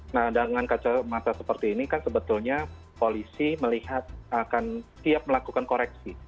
nah dengan kacamata seperti ini kan sebetulnya polisi melihat akan siap melakukan koreksi